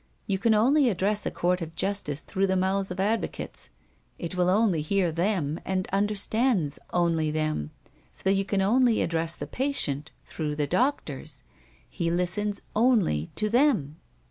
You can only address a Court of Justice through the mouths of advocates; it will only hear them, and understands only them. So you can only address the patient through the doctors he listens only to them."